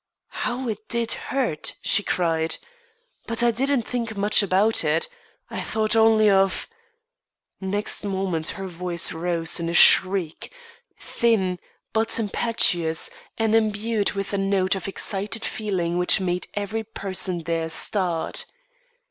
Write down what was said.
"How it did hurt!" she cried. "But I didn't think much about it. I thought only of " Next moment her voice rose in a shriek, thin but impetuous, and imbued with a note of excited feeling which made every person there start.